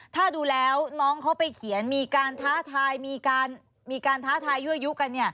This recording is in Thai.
ถ้าดูแล้วน้องเขาไปเขียนมีการท้าทายมีการท้าทายยั่วยุกัน